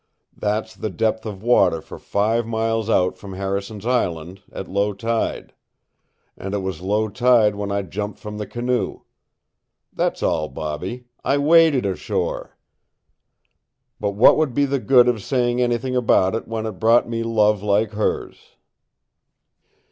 That's the depth of water for five miles out from Harrison's Island, at low tide; and it was low tide when I jumped from the canoe. That's all, Bobby. I waded ashore. But what would be the good of saying anything about it when it brought me love like hers?"